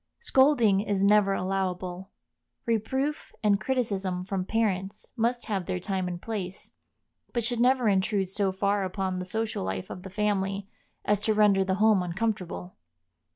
Scolding is never allowable; reproof and criticism from parents must have their time and place, but should never intrude so far upon the social life of the family as to render the home uncomfortable.